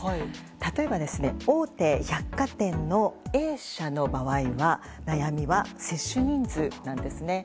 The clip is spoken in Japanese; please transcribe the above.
例えば、大手百貨店のＡ社の場合は接種人数なんですね。